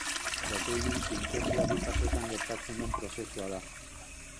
Proteinen sintesia bi fasetan gertatzen den prozesua da.